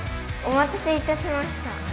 おまたせいたしました！